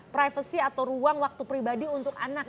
privasi atau ruang waktu pribadi untuk anak